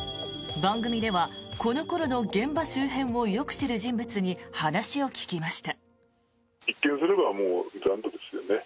番組ではこの頃の現場周辺をよく知る人物に話を聞きました。